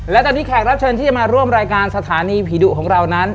และตอนนี้แขกรับเชิญที่จะมาร่วมรายการสถานีผีดุของเรานั้น